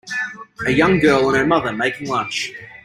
A young girl and her mother making lunch.